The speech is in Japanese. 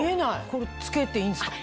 これ着けていいんですか？